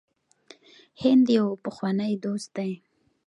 هند یو پخوانی دوست دی.